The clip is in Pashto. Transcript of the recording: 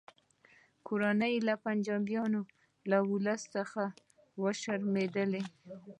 کورني پنجابیان له ولس څخه وشرمیدل